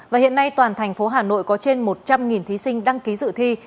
và hiện nay toàn thành phố hà nội có trên một trăm linh thí sinh đăng ký dự thi